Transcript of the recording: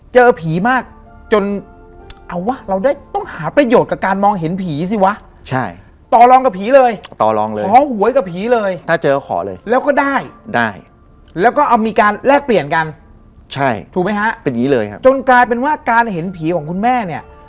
จนกลายเป็นว่าการเห็นผีของคุณแม่